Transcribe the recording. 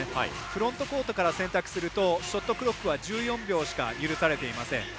フロントコートから選択するとショットクロックは１４秒しか許されていません。